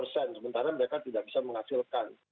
sementara mereka tidak bisa menghasilkan